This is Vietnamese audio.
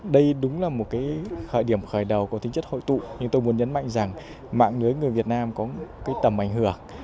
đây đúng là một cái khởi điểm khởi đầu có tính chất hội tụ nhưng tôi muốn nhấn mạnh rằng mạng lưới người việt nam có cái tầm ảnh hưởng